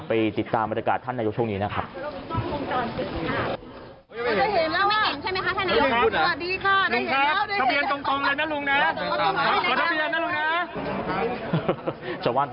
ไปติดตามบรรยากาศท่านนายกช่วงนี้นะครับ